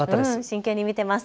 真剣に見ています。